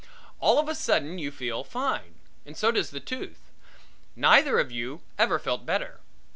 All of a sudden you feel fine, and so does the tooth. Neither one of you ever felt better.